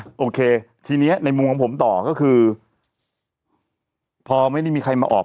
โอเคทีนี้ในมุมของผมต่อก็คือพอไม่ได้มีใครมาออก